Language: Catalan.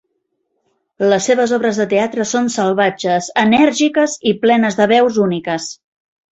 Les seves obres de teatre són salvatges, enèrgiques i plenes de veus úniques.